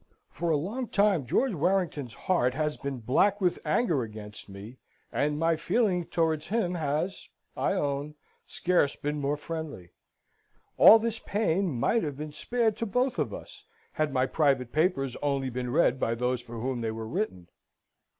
For a long time George Warrington's heart has been black with anger against me, and my feeling towards him has, I own, scarce been more friendly. All this pain might have been spared to both of us, had my private papers only been read by those for whom they were written.